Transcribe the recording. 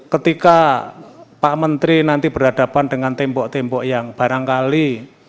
ketika pak menteri nanti berhadapan dengan tembok tembok yang barangkali